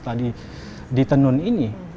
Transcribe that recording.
tadi di tenun ini